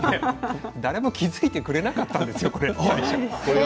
誰も気付いてくれなかったんですよ。